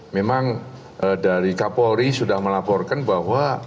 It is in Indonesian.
memang dari kapolri sudah melaporkan bahwa